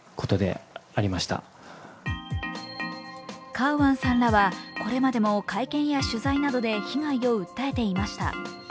カウアンさんらはこれまでも会見や取材などで被害を訴えていました。